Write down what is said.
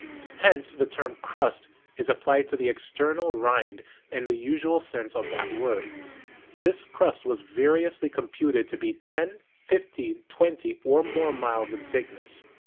Hence the term "crust" is ap plied to the external rind in the usual sense of that word. This crust was variously computed to be ten, fifteen, twen ty, or more miles in thickness.